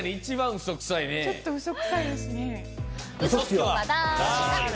ちょっとウソくさいですね。